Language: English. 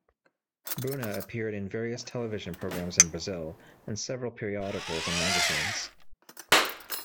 Bruna appeared in various television programs in Brazil and several periodicals and magazines.